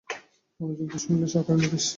মনযোগ দিয়ে শুনেন, সরকারি নোটিশ।